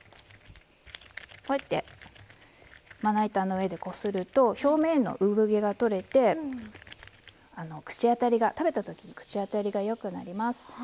こうやってまな板の上でこすると表面の産毛が取れて食べた時の口当たりがよくなります。